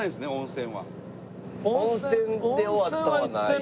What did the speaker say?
温泉で終わったのはないな。